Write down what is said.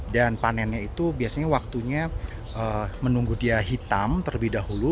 dan panennya itu biasanya waktunya menunggu dia hitam terlebih dahulu